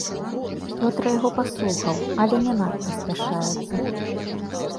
Пётра яго паслухаў, але не надта спяшаецца.